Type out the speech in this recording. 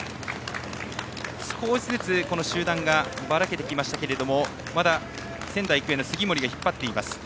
少しずつ集団がばらけてきましたけれどもまだ、仙台育英の杉森が引っ張っています。